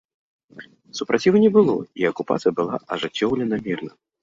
Супраціву не было, і акупацыя была ажыццёўлена мірна.